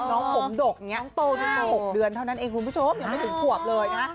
น้องผมดกอย่างนี้โตน่าจะ๖เดือนเท่านั้นเองคุณผู้ชมยังไม่ถึงขวบเลยนะ